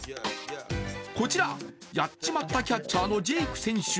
こちら、やっちまったキャッチャーのジェイク選手。